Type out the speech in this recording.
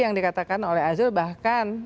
yang dikatakan oleh azul bahkan